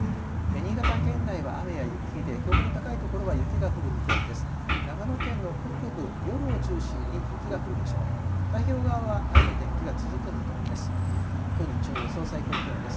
新潟県内は雨や雪で、標高の高い所は雪が降る見込みです。